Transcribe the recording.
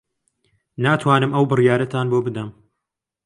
ناتوانم ئەو بڕیارەتان بۆ بدەم.